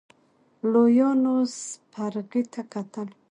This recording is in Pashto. لويانو سپرغې ته کتل.